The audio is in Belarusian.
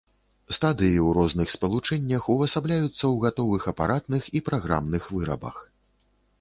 Стадыі ў розных спалучэннях увасабляюцца ў гатовых апаратных і праграмных вырабах.